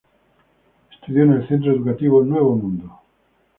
Estudió en el Centro Educativo Nuevo Mundo.